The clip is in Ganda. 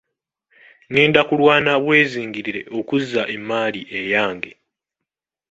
Ngenda kulwana bwezizingirire okuzza emmaali eyange.